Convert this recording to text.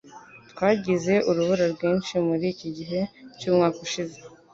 Twagize urubura rwinshi muriki gihe cyumwaka ushize.